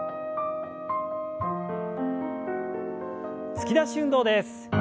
突き出し運動です。